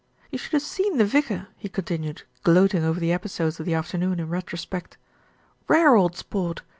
"You should have seen the vicar," he continued, gloating over the episodes of the afternoon in retro spect. "Rare old sport.